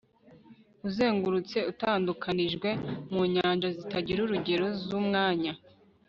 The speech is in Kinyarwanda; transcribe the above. uzengurutse, utandukanijwe, mu nyanja zitagira urugero z'umwanya